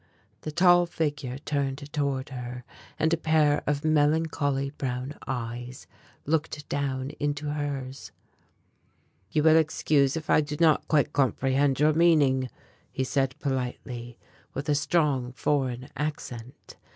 The tall figure turned toward her, and a pair of melancholy brown eyes looked down into hers: "You will excuse if I do not quite comprehend your meaning," he said politely, with a strong foreign accent.